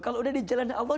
kalau udah di jalan allah